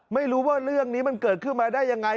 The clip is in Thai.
ไม่รู้ว่าเรื่องนี้มันเกิดขึ้นมาได้ยังไง